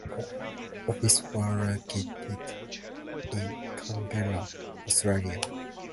Its offices were located in Canberra, Australia.